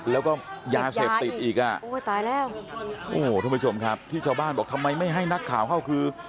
แล้วก็ยาเสพติดอีกอ่ะทุกผู้ชมครับที่ชาวบ้านบอกทำไมไม่ให้นักข่าวเข้า